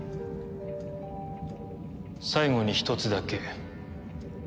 最後に一つだけ。